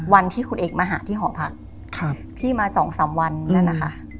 วันที่คุณเอกมาหาที่หอพักพี่มา๒๓วันนั่นนะคะ